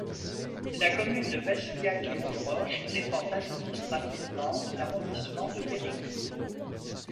La commune de Bassillac et Auberoche dépend administrativement de l'arrondissement de Périgueux.